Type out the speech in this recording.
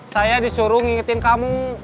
saya disuruh ngingetin kamu